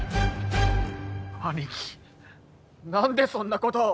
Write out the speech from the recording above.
兄貴何でそんなことを！